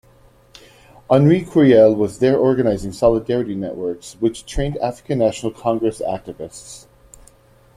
Henri Curiel was there organizing "solidarity networks," which trained African National Congress activists.